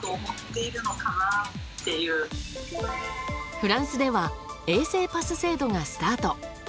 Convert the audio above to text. フランスでは衛生パス制度がスタート。